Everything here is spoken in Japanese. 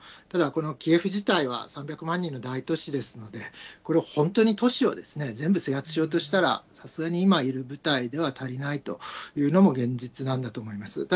ただこのキエフ自体は、３００万人の大都市ですので、これを本当に都市を全部制圧しようとしたら、さすがに今いる部隊では足りないというのも現実なんだと思います。